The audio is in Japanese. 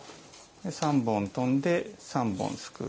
３本飛んで３本すくう。